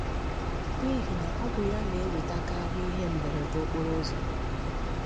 n'ihi na ọ bụ ya na-ewètekarị ihe mberede okporụzọ